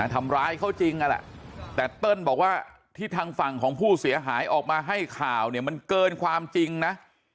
ทำร้ายเขาจริงนั่นแหละแต่เติ้ลบอกว่าที่ทางฝั่งของผู้เสียหายออกมาให้ข่าวเนี่ยมันเกินความจริงนะ